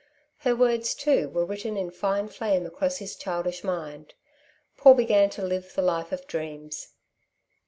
Her words, too, were written in fine flame across his childish mind. Paul began to live the life of dreams.